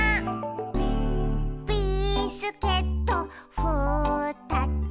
「ビスケットふたつ」